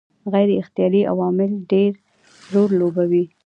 غیر اختیاري عوامل ډېر رول لوبوي.